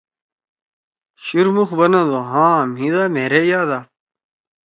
شُورمُخ بنَدُو: ”ہآں مھی دا مھیرے یاد آپ.